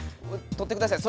とってください